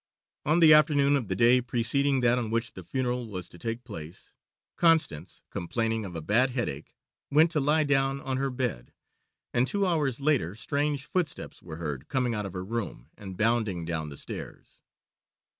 On the afternoon of the day preceding that on which the funeral was to take place Constance, complaining of a bad headache, went to lie down on her bed, and two hours later strange footsteps were heard coming out of her room and bounding down the stairs.